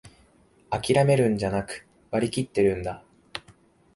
あきらめるんじゃなく、割りきってるんだ